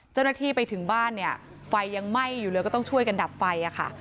เจ้าหน้าที่ไปถึงบ้านเนี่ยไฟยังไหม้อยู่เลยก็ต้องช่วยกันดับไฟค่ะ